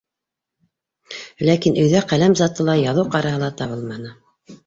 Ләкин өйҙә ҡәләм заты ла, яҙыу ҡараһы ла табылманы.